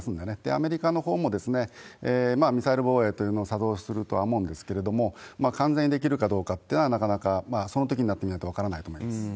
アメリカのほうも、ミサイル防衛というのを作動するとは思うんですけれども、完全にできるかどうかというのは、なかなか、そのときになってみないと分からないと思います。